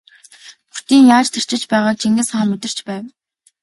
Бөртийн яаж тарчилж байгааг Чингис хаан мэдэрч байв.